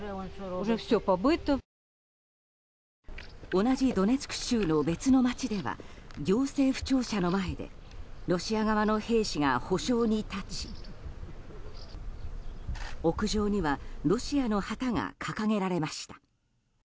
同じドネツク州の別の町では行政府庁舎の前でロシア側の兵士が歩しょうに立ち屋上にはロシアの旗が掲げられました。